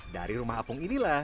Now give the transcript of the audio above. dari rumah apung inilah